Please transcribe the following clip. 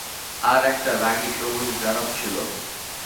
আর একটা রাগী সবুজ দানব ছিল।